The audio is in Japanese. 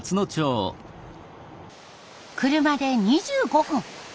車で２５分。